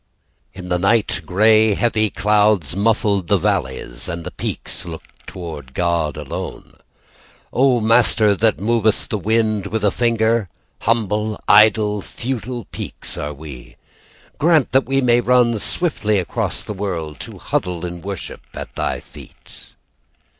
In the night Grey heavy clouds muffled the valleys, And the peaks looked toward God alone. "O Master that movest the wind with a finger, "Humble, idle, futile peaks are we. "Grant that we may run swiftly across the world "To huddle in worship at Thy feet."